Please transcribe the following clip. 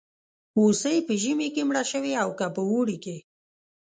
هوسۍ په ژمي کې مړه شوې او که په اوړي کې.